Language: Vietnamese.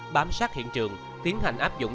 khám sát hiện trường tiến hành áp dụng